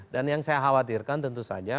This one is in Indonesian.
dan yang saya khawatirkan tentu saja